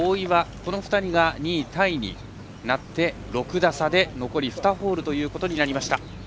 この２人が２位タイになって６打差で残り２ホールということになりました。